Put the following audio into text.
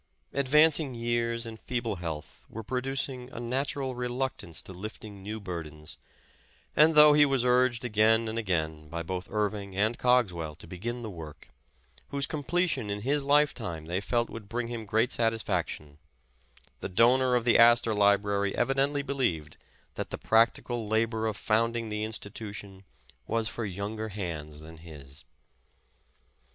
Advancing years and feeble health were producing a natural reluctance to lifting new burdens, and though he was urged again and again, by both Irving and Cogswell to begin the work, whose completion in his life time they felt would bring him great satisfaction, the donor of the Astor Library evi dently believed that the practical labor of founding the institution was for younger hands than his.